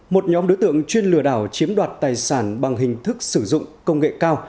một nhóm đối tượng chuyên lừa đảo chiếm đoạt tài sản bằng hình thức sử dụng công nghệ cao